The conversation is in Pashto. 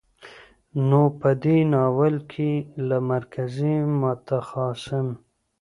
نو په دې ناول کې له مرکزي، متخاصم،